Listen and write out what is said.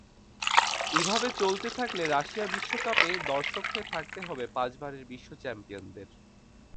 এভাবে চলতে থাকলে রাশিয়া বিশ্বকাপে দর্শক হয়ে থাকতে হবে পাঁচবারের বিশ্ব চ্যাম্পিয়নদের।